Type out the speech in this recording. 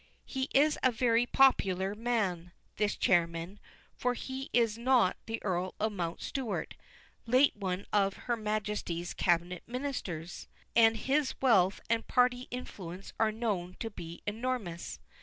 He is a very popular man, this chairman; for is he not the Earl of Mount Stuart, late one of Her Majesty's Cabinet Ministers? and his wealth and party influence are known to be enormous.